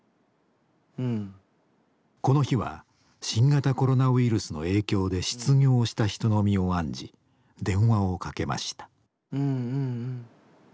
この日は新型コロナウイルスの影響で失業した人の身を案じ電話をかけました。